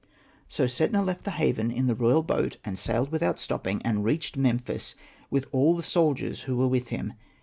So Setna left the haven in the royal boat, and sailed without stopping, and reached Memphis with all the soldiers who were with him.